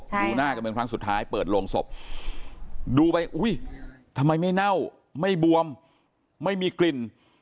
ดูหน้ากันเป็นครั้งสุดท้ายเปิดโรงศพดูไปอุ้ยทำไมไม่เน่าไม่บวมไม่มีกลิ่น